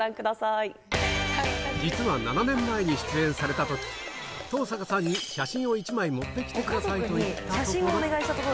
実は７年前に出演されたとき、登坂さんに写真を１枚持ってきてくださいと言ったところ。